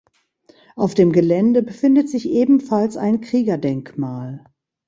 Auf dem Gelände befindet sich ebenfalls ein Kriegerdenkmal.